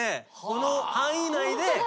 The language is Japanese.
この範囲内で。